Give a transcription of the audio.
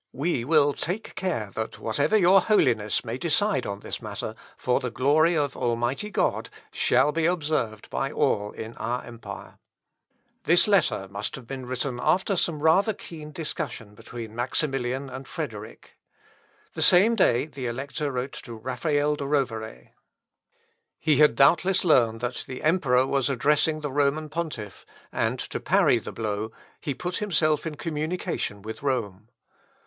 We will take care that whatever your Holiness may decide on this matter, for the glory of Almighty God, shall be observed by all in our empire." "Defensores et patrones etiam potentes quos dictus frater consecutus est." (Raynald, ad an. 1518.) This letter must have been written after some rather keen discussion between Maximilian and Frederick. The same day, the Elector wrote to Raphael de Rovere. He had doubtless learned that the Emperer was addressing the Roman pontiff, and to parry the blow he put himself in communication with Rome.